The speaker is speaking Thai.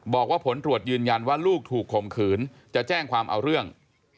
บอกว่าผลตรวจยืนยันว่าลูกถูกข่มขืนจะแจ้งความเอาเรื่อง